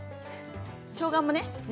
しょうがもね。